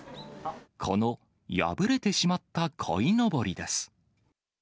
この破れてしまったこいのぼりです。